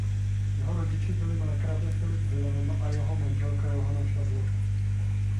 Jeho rodiči byli markrabě Filip Vilém a jeho manželka Johana Šarlota.